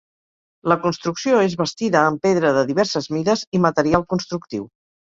La construcció és bastida amb pedra de diverses mides i material constructiu.